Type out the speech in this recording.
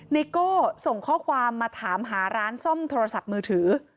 โก้ส่งข้อความมาถามหาร้านซ่อมโทรศัพท์มือถือ